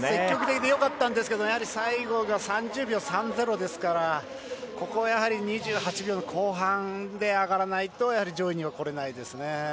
積極的で良かったんですが最後が３０秒３０ですからここは２８秒の後半で上がらないとやはり上位にはこれないですよね。